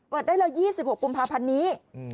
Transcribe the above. ได้เลย๒๖กุมภาพันธ์นี้